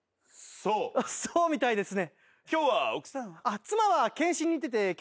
そうみたいですね。